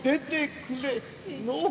のう。